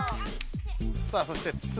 さあそして「つ」。